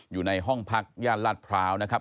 อยู่ในห้องพักย่านลาดพร้าวนะครับ